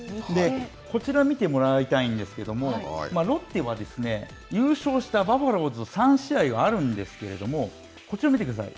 こちら見てもらいたいんですけども、ロッテは、優勝したバファローズと３試合あるんですけれども、こちらを見てください。